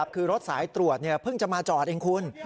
คือรถสายตรวจเพิ่งจะมาจอดเองคุณ